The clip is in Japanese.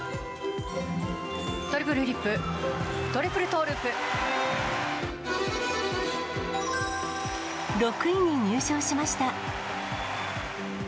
トリプルフリップ、トリプル６位に入賞しました。